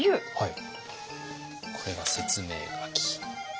これが説明書き。